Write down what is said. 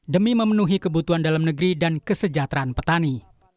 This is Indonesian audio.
demi memenuhi kebutuhan dalam negeri dan kesejahteraan petani